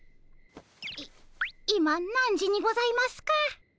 い今何時にございますか？